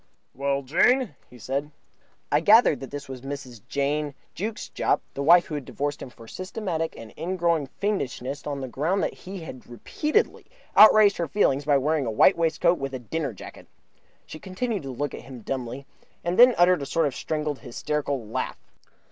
"Well, Jane," he said. I gathered that this was Mrs. Jane Jukes Jopp, the wife who had divorced him for systematic and ingrowing fiendishness on the ground that he had repeatedly outraged her feelings by wearing a white waistcoat with a dinner jacket. She continued to look at him dumbly, and then uttered a sort of strangled, hysterical laugh.